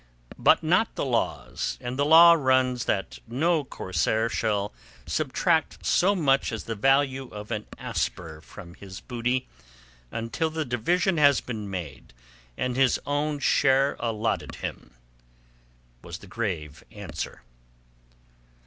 "But not the law's, and the law runs that no corsair shall subtract so much as the value of an asper from his booty until the division has been made and his own share allotted him," was the grave answer.